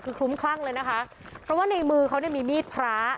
คือคลุ้มคลั่งเลยนะคะเพราะว่าในมือเขาเนี่ยมีมีดพระ